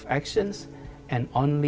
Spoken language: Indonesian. dan hanya jika kita mengambil transaksi